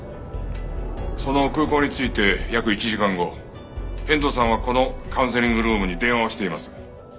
その空港に着いて約１時間後遠藤さんはこのカウンセリングルームに電話をしています。